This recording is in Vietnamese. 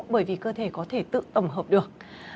bởi vì cơ thể có thể tự tổng hợp được